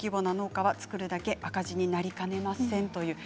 小規模の農家は作るだけ赤字になりかねません。